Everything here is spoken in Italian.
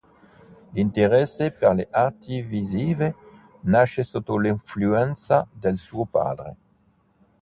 L'interesse per le arti visive nasce sotto l'influenza del suo padre.